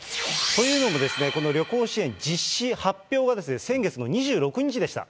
というのも、この旅行支援、実施、発表が先月の２６日でした。